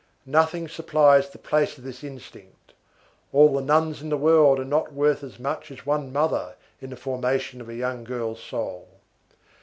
Nothing supplies the place of this instinct. All the nuns in the world are not worth as much as one mother in the formation of a young girl's soul.